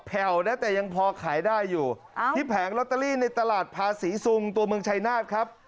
นะแต่ยังพอขายได้อยู่ที่แผงลอตเตอรี่ในตลาดภาษีซุงตัวเมืองชายนาฏครับ